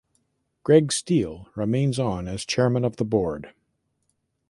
Greg Steil remains on as chairman of the board.